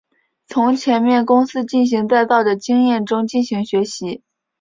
从前面公司进行再造的经验中进行学习。